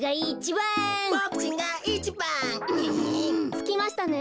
つきましたね。